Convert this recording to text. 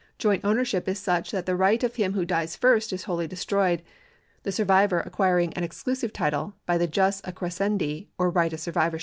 Joint ownership is such that the right of him who dies first is wholly destroyed, the survivor acquiring an exclusive title by the jus accresceiidi or right of survivorship.